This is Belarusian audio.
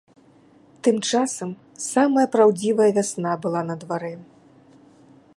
Тым часам самая праўдзівая вясна была на дварэ.